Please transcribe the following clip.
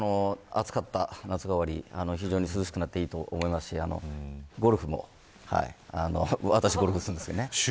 暑かった夏が終わり非常に涼しくなっていいと思いますし私、ゴルフするんですけど。